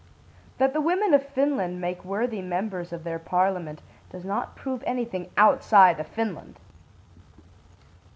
That the women of Finland make worthy members of their parliament does not prove anything outside of Finland.